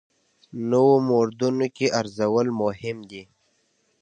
نویو موردونو کې ارزول مهم دي.